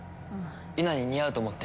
ユナに似合うと思って。